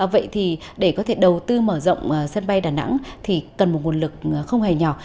vậy thì để có thể đầu tư mở rộng sân bay đà nẵng thì cần một nguồn lực không hề nhỏ